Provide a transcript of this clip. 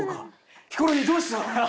ヒコロヒーどうした？